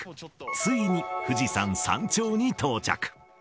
ついに、富士山山頂に到着。